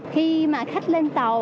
khi mà khách lên tàu